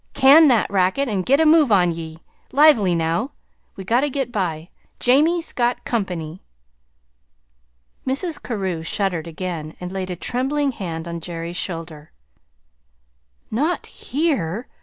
CAN that racket and get a move on ye. Lively, now! We gotta get by. Jamie's got comp'ny." Mrs. Carew shuddered again, and laid a trembling hand on Jerry's shoulder. "Not HERE!"